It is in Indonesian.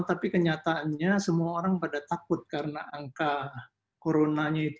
tapi kenyataannya semua orang pada takut karena angka coronanya itu